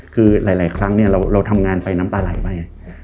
คือหลายครั้งเราทำงานไปน้ำตาไหลไป